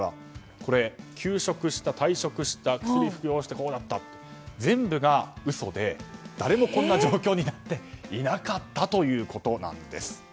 休職した、退職した薬を服用してこうなった全部が嘘で誰もこんな状況になっていなかったということです。